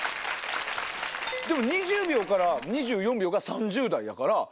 ２０秒から２４秒が３０代やから。